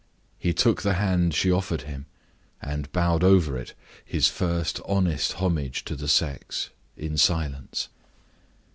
He took the hand she offered him, and bowed over it his first honest homage to the sex, in silence.